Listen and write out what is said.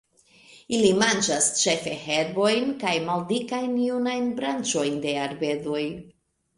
Ili manĝas ĉefe herbojn kaj maldikajn junajn branĉojn de arbedoj.